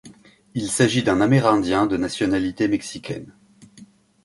Il s'agit d'un amérindien de nationalité mexicaine.